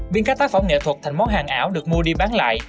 biến các tác phẩm nghệ thuật thành món hàng ảo được mua đi bán lại